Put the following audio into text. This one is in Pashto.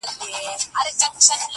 نه وزیر نه سلاکار یمه زما وروره؛